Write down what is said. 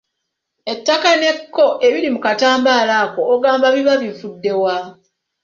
Ettaka n'ekko ebiri mu katambaala ako ogamba biba bivudde wa?